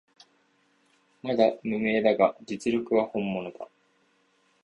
まだ無名だが実力は本物だ